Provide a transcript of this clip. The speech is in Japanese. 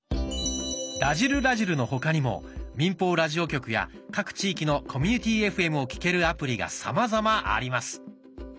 「らじる★らじる」の他にも民放ラジオ局や各地域のコミュニティＦＭを聴けるアプリがさまざまあります。